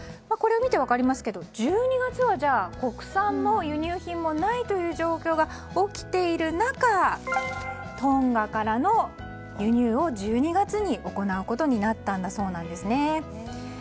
これを見て分かりますけど１２月は国産も輸入品もないという状況が起きている中トンガからの輸入を１２月に行うことになったそうですね。